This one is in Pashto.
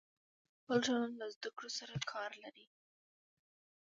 بله ټولنه له زده کړو سره کار لري.